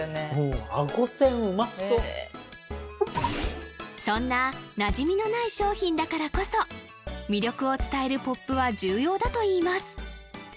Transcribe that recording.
あごせんうまそうそんななじみのない商品だからこそ魅力を伝えるポップは重要だといいます